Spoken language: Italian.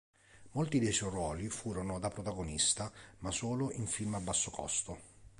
Molti dei suoi ruoli furono da protagonista, ma solo in film a basso costo.